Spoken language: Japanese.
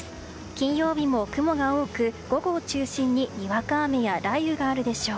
金曜日も雲が多く午後を中心ににわか雨や雷雨があるでしょう。